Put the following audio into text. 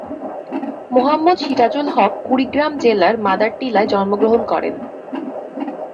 মোহাম্মদ সিরাজুল হক কুড়িগ্রাম জেলার মাদারটিলায় জন্মগ্রহণ করেন।